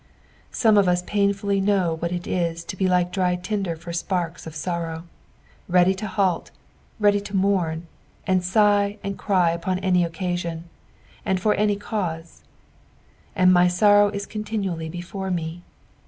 80ms of us painfully know what it is to be hke dry tinder for the sparks of sorrow ; ready to halt, ready to mourn, and sigh and cry upon any occasion, and for any cause, "And my lorroa U eontavaaXly b^ort me."